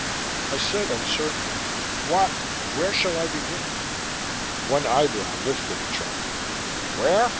I said uncertainly, "What where shall I begin?" One eyebrow lifted a trifle. "Where?